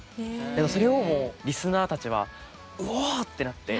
でもそれをもうリスナーたちは「うおお！」ってなって。